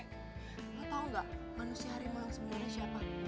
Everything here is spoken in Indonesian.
lo tau gak manusia harimau sebenarnya siapa